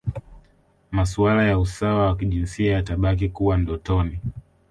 Masuala ya usawa wa kijinsia yatabaki kuwa ndotoni